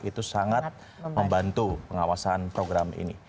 itu sangat membantu pengawasan program ini